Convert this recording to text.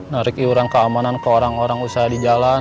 narik iuran keamanan ke orang orang usaha di jalan